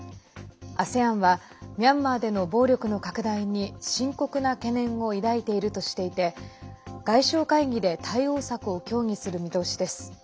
ＡＳＥＡＮはミャンマーでの暴力の拡大に深刻な懸念を抱いているとしていて外相会議で対応策を協議する見通しです。